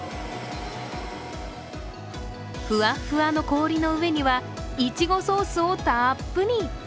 ふわっふわの氷の上にはいちごソースをたっぷり。